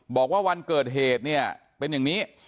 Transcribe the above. บอกว่าวันเกิดเหตุเนี่ยเป็นอย่างนี้